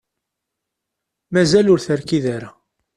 Mazal ur terkid ara.